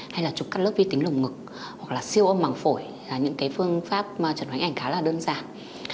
hay là trục cắt lớp vi tính lồng ngực hoặc là siêu âm măng phổi là những phương pháp trần đoán hình ảnh khá là đơn giản